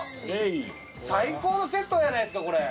最高のセットやないですかこれ。